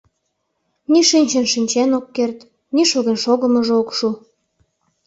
Ни шинчын-шинчен ок керт, ни шоген-шогымыжо ок шу.